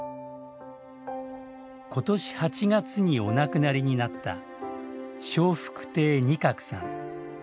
今年８月にお亡くなりになった笑福亭仁鶴さん。